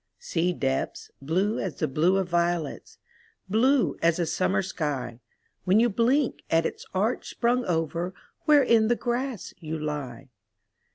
Sea depths, blue as the blue of violets — Blue as a summer sky, When you blink at its arch sprung over Where in the grass you lie.